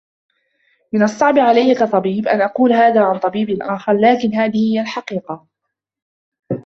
من الصّعب عليّ كطبيب أن أقول هذا عن طبيب آخر، لكن هذه هي الحقيقة.